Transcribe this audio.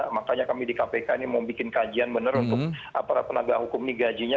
makanya kami di kpk ini mau bikin kajian bener untuk aparat penagak hukum ini gajinya